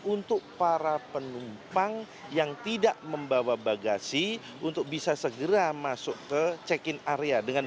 untuk para penumpang yang tidak membawa bagasi untuk bisa segera masuk ke check in area dengan